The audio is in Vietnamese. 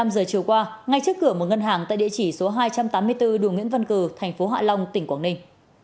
trước qua ngay trước cửa một ngân hàng tại địa chỉ số hai trăm tám mươi bốn đường nguyễn văn cử tp hạ long tỉnh quảng ninh